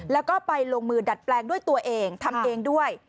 แล้วก็ไปลงมือดัดแปลงด้วยตัวเองทำเองด้วย